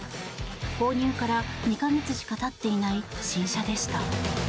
購入から２か月しかたっていない新車でした。